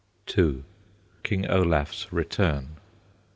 II. KING OLAF'S RETURN.